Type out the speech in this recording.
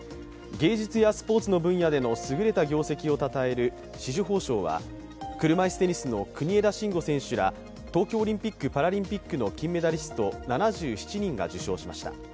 芸術やスポーツの分野でのすぐれた業績をたたえる紫綬褒章は車いすテニスの国枝慎吾選手ら東京オリンピック・パラリンピックの金メダリスト７７人が受章しました。